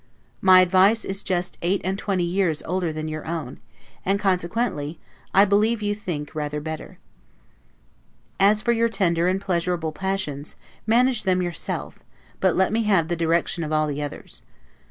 My advice is just eight and twenty years older than your own, and consequently, I believe you think, rather better. As for your tender and pleasurable passions, manage them yourself; but let me have the direction of all the others.